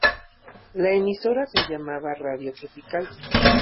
La emisora se llamaba Radio Tropical.